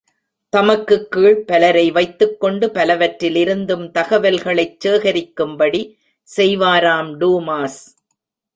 தமக்குக் கீழ் பலரை வைத்துக் கொண்டு, பலவற்றிலிருந்தும் தகவல்களைச் சேகரிக்கும்படி செய்வாராம் டூமாஸ்.